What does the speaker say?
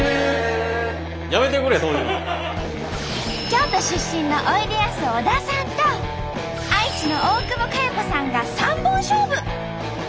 京都出身のおいでやす小田さんと愛知の大久保佳代子さんが三本勝負！